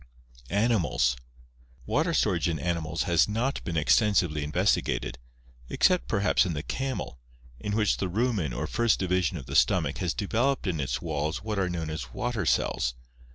Animals. — Water storage in animals has not been extensively investigated, except perhaps in the camel, in which the rumen or first division of the stomach has developed in its walls what are known as water cells.